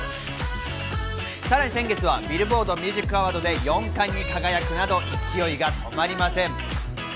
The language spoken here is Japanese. さらに先月はビルボード・ミュージックアワードで４冠に輝くなど、勢いが止まりません。